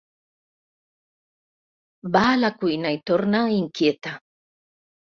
Va a la cuina i torna, inquieta.